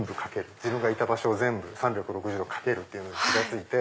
自分がいた場所を全部３６０度描けるっていうのに気が付いて。